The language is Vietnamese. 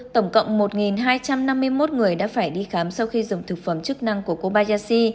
tổng cộng một hai trăm năm mươi một người đã phải đi khám sau khi dùng thực phẩm chức năng của kobayashi